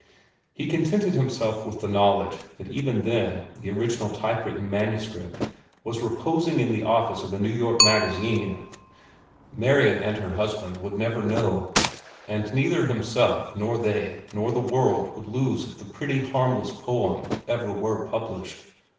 He contented himself with the knowledge that even then the original type written manuscript was reposing in the office of a New York magazine. Marian and her husband would never know, and neither himself nor they nor the world would lose if the pretty, harmless poem ever were published.